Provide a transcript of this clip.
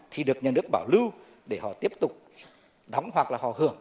thì được nhân đức bảo lưu để họ tiếp tục đóng hoặc là họ hưởng